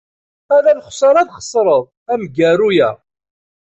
Ala lexṣara ara txeṣred amgaru-a.